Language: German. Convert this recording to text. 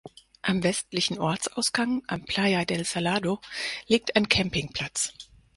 Am westlichen Ortsausgang, am Playa del Salado, liegt ein Campingplatz.